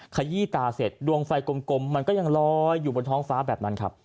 ขยี้ตาเสร็จดวงไฟกลมมันก็ยังลอยอยู่บนท้องฟ้าแบบนั้นครับ